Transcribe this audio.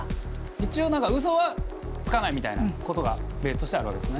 一応何かうそはつかないみたいなことがベースとしてはあるわけですね。